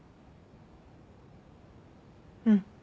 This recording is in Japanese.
うん。